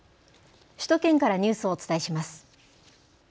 首都圏からニュースをお伝えします。